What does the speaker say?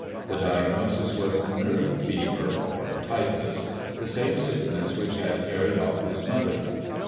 The diagnosis was "nerve fever," or typhus, the same sickness which had carried off his mother.